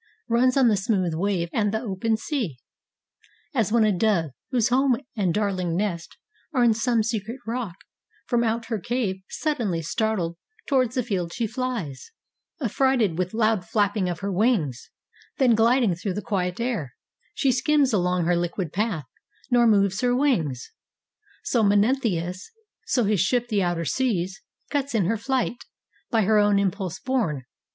Runs on the smooth wave and the open sea. As when a dove, whose home and darling nest Are in some secret rock, from out her cave Suddenly startled, toward the field she flies Affrighted, with loud flapping of her wings; Then, gliding through the quiet air, she skims Along her liquid path, nor moves her wings; So Mnestheus, — so his ship the outer seas Cuts in her flight, by her own impulse borne.